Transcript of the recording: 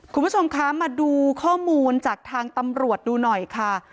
คุณผู้ชมคะมาดูข้อมูลจากทางตำรวจดูหน่อยค่ะ